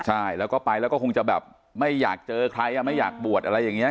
ใช่แล้วก็ไปแล้วก็คงจะแบบไม่อยากเจอใครไม่อยากบวชอะไรอย่างนี้